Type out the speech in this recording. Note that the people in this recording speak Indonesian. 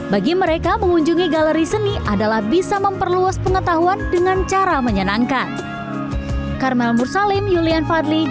bagi mereka mengunjungi galeri seni adalah bisa memperluas pengetahuan dengan cara menyenangkan